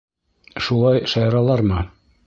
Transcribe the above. Шулай шаяралармы?!